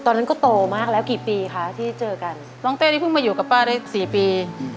ตอนนั้นก็โตมากแล้วกี่ปีคะที่เจอกันน้องเต้นี่เพิ่งมาอยู่กับป้าได้สี่ปี